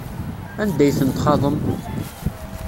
Anda ay ten-txaḍem?